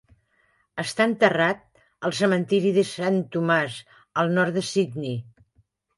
Està enterrat al cementiri de Sant Tomàs, al nord de Sidney.